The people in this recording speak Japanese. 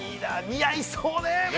似合いそうね。